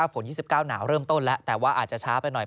๒๙หนาวเริ่มต้นแล้วแต่ว่าอาจจะช้าไปหน่อย